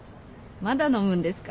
まだ飲むんですか？